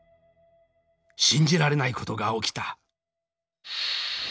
信じられないことが起きた。